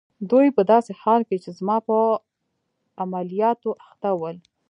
دوی په داسې حال کې چي زما په عملیاتو اخته ول.